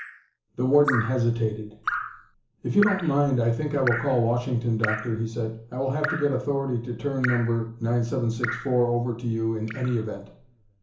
The warden hesitated. "If you don't mind, I think I will call Washington, Doctor," he said. "I will have to get authority to turn No. 9764 over to you in any event."